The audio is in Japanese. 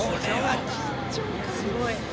すごい！